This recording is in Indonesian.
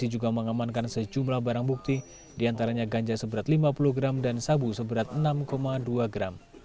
juga mengamankan sejumlah barang bukti diantaranya ganja seberat lima puluh gram dan sabu seberat enam dua gram